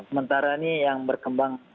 tapi sekarang ini yang berkembang